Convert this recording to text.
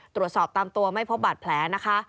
ตรวจสอบตามตัวไม่พบบาดแผลนะคะ